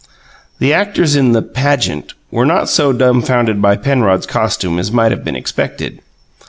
The actors in the "pageant" were not so dumfounded by Penrod's costume as might have been expected.